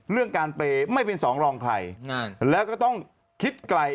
เรื่องการเปรย์ไม่เป็นสองรองใครแล้วก็ต้องคิดไกล